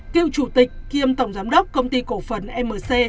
tổ chức chủ tịch kiêm tổng giám đốc công ty cổ phần mc